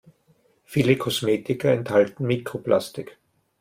Viele Kosmetika enthalten Mikroplastik.